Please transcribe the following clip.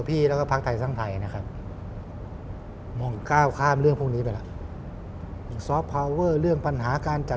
พี่ต้นพี่ต้นดีกว่าก็เพราะว่า